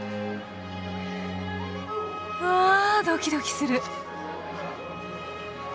わあドキドキする。